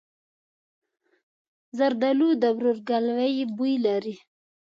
زردالو د ورورګلوۍ بوی لري.